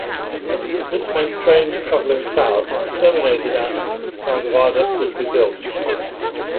This meant trains travelling south terminated at while the viaduct was rebuilt.